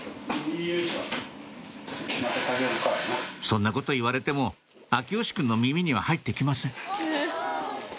そんなこと言われても耀義くんの耳には入って来ません